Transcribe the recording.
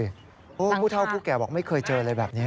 มีผู้เท่าผู้แก่บอกไม่เคยเจอแบบนี้